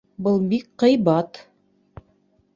Был бик ҡыйбат